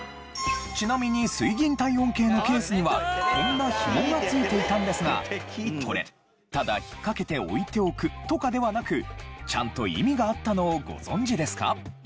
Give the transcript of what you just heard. ちなみに水銀体温計のケースにはこんなひもが付いていたんですがこれただ引っかけて置いておくとかではなくちゃんと意味があったのをご存じですか？